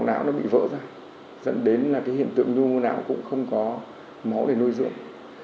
mạch máu não bị vỡ ra dẫn đến hiện tượng nhu mô não cũng không có máu để nuôi dưỡng